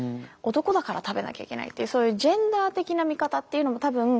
「男だから食べなきゃいけない」っていうそういうジェンダー的な見方っていうのも多分残っているというか